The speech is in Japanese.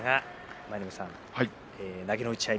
舞の海さん投げの打ち合い